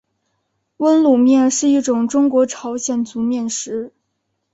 温卤面是一种中国朝鲜族面食。